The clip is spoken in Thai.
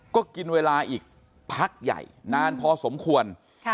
ก็กินเวลาอีกพักใหญ่นานพอสมควร